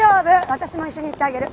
私も一緒に行ってあげる。